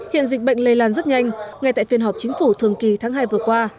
hiện dịch bệnh lây lan rất nhanh ngay tại phiên họp chính phủ thường kỳ tháng hai vừa qua